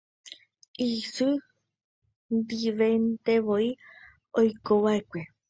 Isy ndiventevoi oikova'ekue.